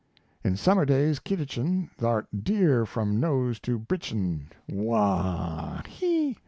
In summer days Kiditchin Thou'rt dear from nose to britchin Waw he!